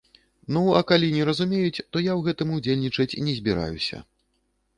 Ну, а калі не разумеюць, то я ў гэтым удзельнічаць не збіраюся.